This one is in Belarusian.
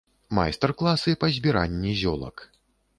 Майстар-класы па збіранні зёлак.